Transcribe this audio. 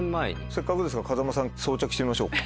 せっかくですから風間さん装着してみましょう。